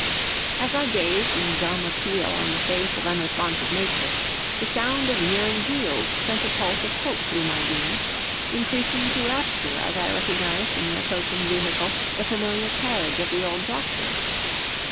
As I gazed in dumb appeal on the face of unresponsive nature, the sound of nearing wheels sent a pulse of hope through my being; increasing to rapture as I recognised in the approaching vehicle the familiar carriage of the old doctor.